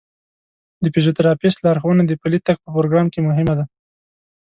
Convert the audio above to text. د فزیوتراپیست لارښوونه د پلي تګ په پروګرام کې مهمه ده.